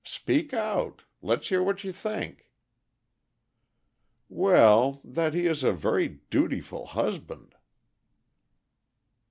Speak out. Let's hear what you think." "Well, that he is a very dutiful husband."